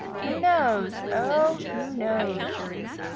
Who knows? Oh, who knows?